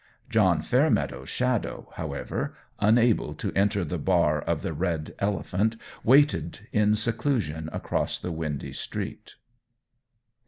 John Fairmeadow's Shadow, however, unable to enter the bar of the Red Elephant, waited in seclusion across the windy street.